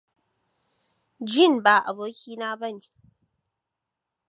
Gin ba aboki na ba ne.